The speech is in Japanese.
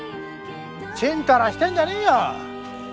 チンタラしてんじゃねえよ！